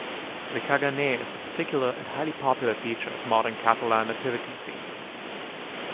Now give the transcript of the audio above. The caganer is a particular and highly popular feature of modern Catalan nativity scenes.